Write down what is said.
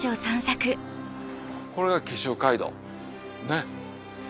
これが紀州街道ねっ。